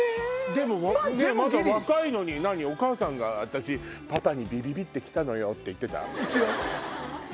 でもまだ若いのにお母さんが「パパにビビビってきたのよ」って言ってた？